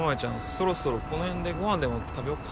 そろそろこの辺でご飯でも食べようか？